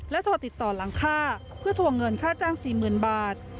โทรติดต่อหลังค่าเพื่อทวงเงินค่าจ้าง๔๐๐๐บาท